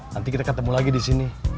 nanti kita ketemu lagi disini